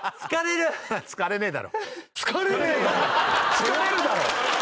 疲れるだろ。